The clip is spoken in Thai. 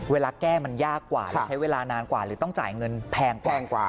แก้มันยากกว่าหรือใช้เวลานานกว่าหรือต้องจ่ายเงินแพงกว่า